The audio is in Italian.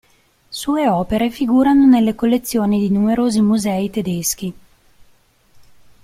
Sue opere figurano nelle collezioni di numerosi musei tedeschi.